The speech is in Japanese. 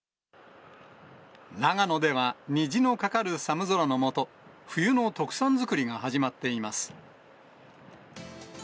長野では、虹のかかる寒空の下、冬の特産作りが始まっています。